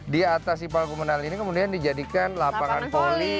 di atas ipal komunal ini kemudian dijadikan lapangan poli